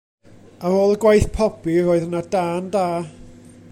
Ar ôl y gwaith pobi roedd yna dân da.